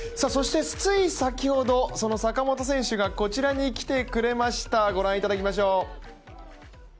そしてつい先ほど、その坂本選手がこちらに来てくれました、御覧いただきましょう。